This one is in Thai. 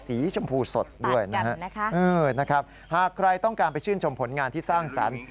สีชมพูสดด้วยนะฮะหากใครต้องการไปชื่นชมผลงานที่สร้างสรรค์